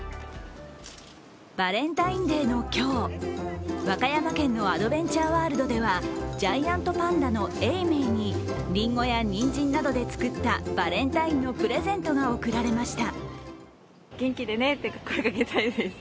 バレンタインデーの今日、和歌山県のアドベンチャーワールドではジャイアントパンダの永明にりんごやにんじんなどで作ったバレンタインのプレゼントが贈られました。